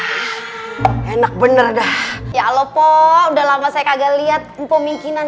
you know kalau kesannya seperti mana itu pure flume desafinasi kayak penelitian